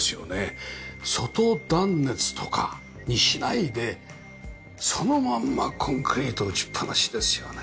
外断熱とかにしないでそのまんまコンクリート打ちっぱなしですよね。